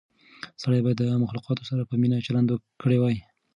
سړی باید د مخلوقاتو سره په مینه چلند کړی وای.